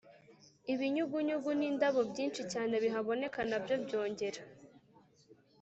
Ibinyugunyugu n indabo byinshi cyane bihaboneka na byo byongera